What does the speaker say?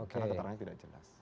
karena keterangannya tidak jelas